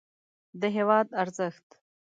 د هېواد ارزښت